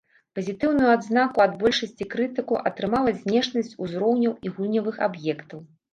Пазітыўную адзнаку ад большасці крытыкаў атрымала знешнасць узроўняў і гульнявых аб'ектаў.